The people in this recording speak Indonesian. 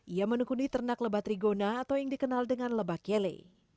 ia menekuni ternak lebat rigona atau yang dikenal dengan lebak yele